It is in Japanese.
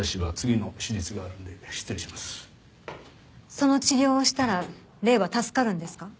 その治療をしたら礼は助かるんですか？